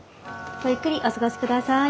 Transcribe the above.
ごゆっくりお過ごしください。